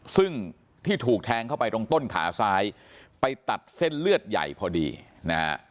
ซึ่งที่ถูกแทงเข้าไปตรงต้นขาซ้ายไปตัดเส้นเลือดใหญ่พอดีนะฮะ